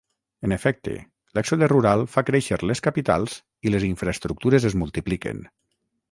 En efecte, l'èxode rural fa créixer les capitals i les infraestructures es multipliquen.